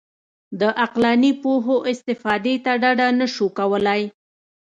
د عقلاني پوهو استفادې څخه ډډه نه شو کولای.